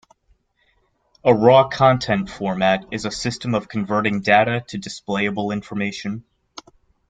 A raw content format is a system of converting data to displayable information.